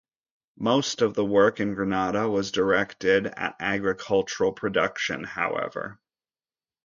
Most of the work in Granada was directed at agricultural production, however.